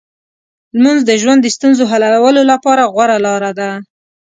لمونځ د ژوند د ستونزو حلولو لپاره غوره لار ده.